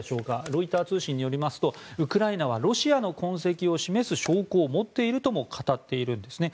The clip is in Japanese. ロイター通信によりますとウクライナはロシアの痕跡を示す証拠を持っているとも語っているんですね。